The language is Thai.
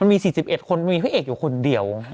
มันมี๔๑คนเป็นพระเอกอยู่คนเดียว